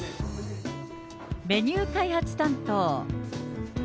メニュー開発担当。